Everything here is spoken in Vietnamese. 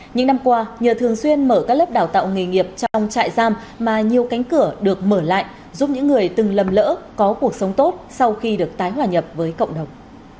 những năm qua nhờ thường xuyên mở các lớp đào tạo nghề nghiệp trong trại giam mà nhiều cánh cửa được mở lại giúp những người từng lầm lỡ có cuộc sống tốt sau khi được tái hòa nhập với cộng đồng